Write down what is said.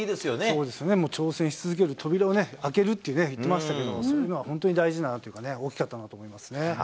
そうですね、挑戦し続ける扉を開けるっていうね、言ってましたけど、そういうのは本当に大事だなというか、大きかったんだなと思いますね。